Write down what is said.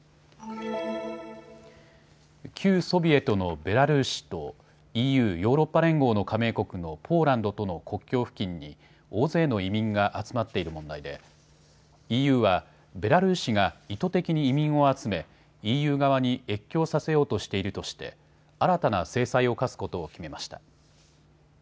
旧ソビエトのベラルーシとＥＵ・ヨーロッパ連合の加盟国のポーランドとの国境付近に大勢の移民が集まっている問題でＥＵはベラルーシが意図的に移民を集めＥＵ側に越境させようとしているとして新たな制裁を科すことを決めました。